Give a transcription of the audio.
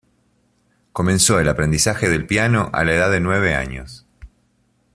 Comenzó el aprendizaje del piano a la edad de nueve años.